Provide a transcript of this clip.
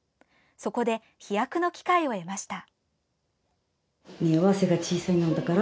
そこで飛躍の機会を得ました。